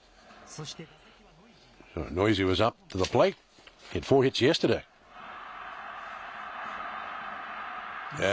そして打席はノイジー。